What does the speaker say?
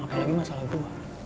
apalagi masalah tua